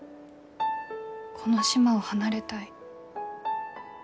この島を離れたい。